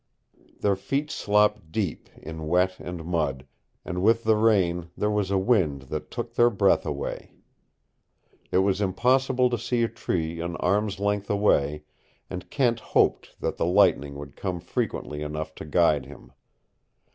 Their feet slopped deep in wet and mud, and with the rain there was a wind that took their breath away. It was impossible to see a tree an arm's length away, and Kent hoped that the lightning would come frequently enough to guide him.